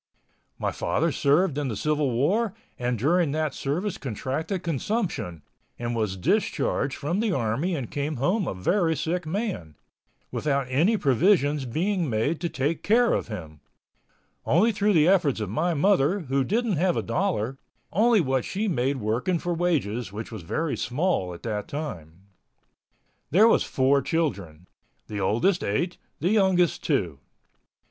My father served in the Civil War and during that service contracted consumption and was discharged from the army and came home a very sick man, without any provisions being made to take care of him—only through the efforts of my mother, who didn't have a dollar, only what she made working for wages which was very small at that time. There was four children—the oldest eight, the youngest two.